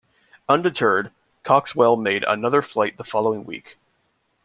Undeterred, Coxwell made another flight the following week.